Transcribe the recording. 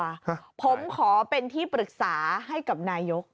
ฮะผมขอเป็นที่ปรึกษาให้กับนายก